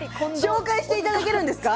紹介していただけるんですか？